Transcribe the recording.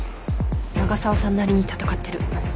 長澤さんなりに戦ってる。